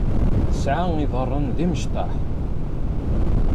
Tesɛa iḍaṛṛen d imecṭaḥ.